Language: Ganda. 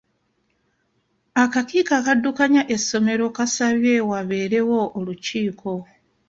Akakiiko akaddukanya essomero kaasabye wabeerewo olukiiko.